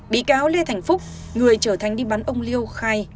bị cáo lê thành phúc người trở thành đi bắn ông liêu khai